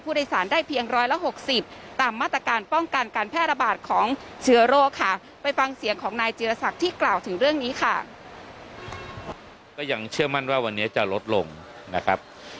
ไปฟังเสียงของนายเจรสักที่กล่าวถือเรื่องนี้ค่ะ